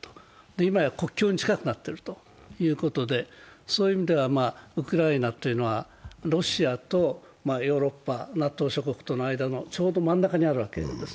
今や国境に近くなっているということで、そういう意味ではウクライナというのはロシアとヨーロッパ、ＮＡＴＯ諸国との間のちょうど真ん中にあるわけです。